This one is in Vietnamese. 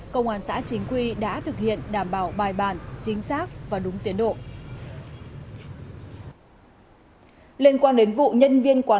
công an xã chính quy đã thực hiện đảm bảo bài bản chính xác và đúng tiến độ